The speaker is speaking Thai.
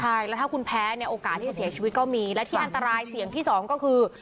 ใช่แล้วถ้าคุณแพ้เนี่ยโอกาสที่จะเสียชีวิตก็มีและที่อันตรายเสี่ยงที่สองก็คือ